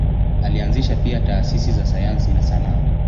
Alianzisha pia taasisi za sayansi na sanaa.